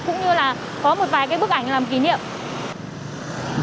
cũng như là có một vài cái bức ảnh làm kỷ niệm